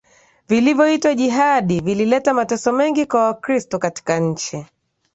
vilivyoitwa jihadi vilileta mateso mengi kwa Wakristo katika nchi